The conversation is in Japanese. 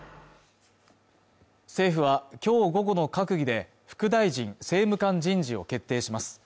政府はきょう午後の閣議で副大臣政務官人事を決定します